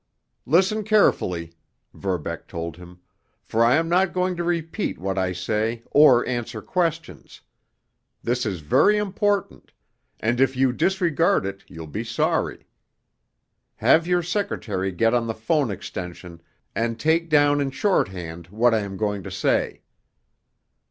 "Listen carefully," Verbeck told him, "for I am not going to repeat what I say or answer questions. This is very important, and if you disregard it you'll be sorry. Have your secretary get on the phone extension and take down in shorthand what I am going to say."